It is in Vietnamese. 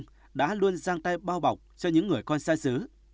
tình cảm của quê hương đã luôn giang tay bao bọc cho những người con sai xứ